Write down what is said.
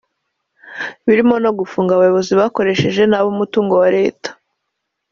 birimo no gufunga abayobozi bakoresheje nabi umutungo wa leta